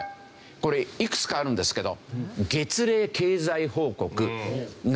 これいくつかあるんですけど月例経済報告内閣府。